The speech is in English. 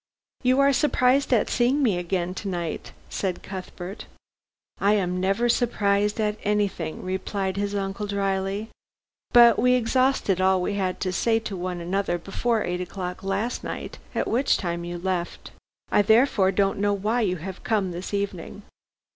"You are surprised at seeing me again to night," said Cuthbert. "I am never surprised at anything," replied his uncle dryly, "but we exhausted all we had to say to one another before eight o'clock last night, at which time you left. I therefore don't know why you have come this evening.